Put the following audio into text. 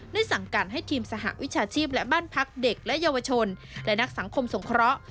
สั่งการให้ทีมสหวิชาชีพและบ้านพักเด็กและเยาวชนและนักสังคมสงเคราะห์